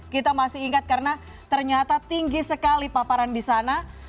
kita masih ingat karena ternyata tinggi sekali paparan di sana